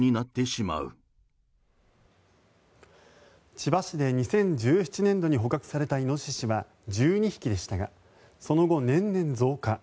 千葉市で２０１７年度に捕獲されたイノシシは１２匹でしたがその後、年々増加。